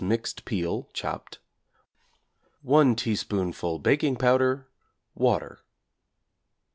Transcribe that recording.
mixed peel (chopped), 1 teaspoonful baking powder, water.